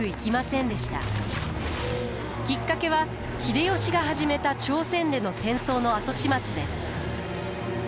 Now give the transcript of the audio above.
きっかけは秀吉が始めた朝鮮での戦争の後始末です。